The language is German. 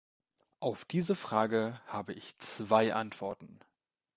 Auf diese Frage habe ich zwei Antworten.